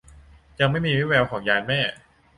ยังไม่มีวี่แววของยานแม่